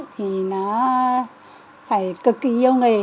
thì nó phải cực kỳ yêu nghề